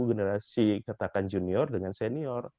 generasi katakan junior dengan senior